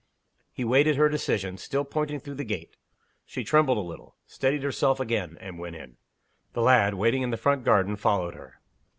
He waited her decision, still pointing through the gate. She trembled a little steadied herself again and went in. The lad, waiting in the front garden, followed her.